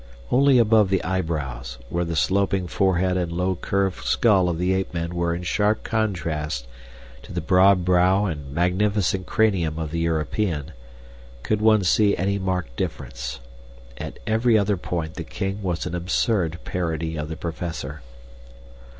Only above the eyebrows, where the sloping forehead and low, curved skull of the ape man were in sharp contrast to the broad brow and magnificent cranium of the European, could one see any marked difference. At every other point the king was an absurd parody of the Professor.